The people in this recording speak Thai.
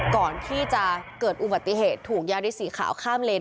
ก่อนที่จะเกิดอุบัติเหตุถูกยาริสสีขาวข้ามเลน